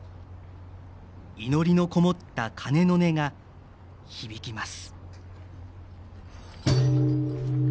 祈りのこもった鐘の音が響きます。